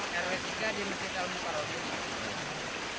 di rw tiga di mesir kalimantan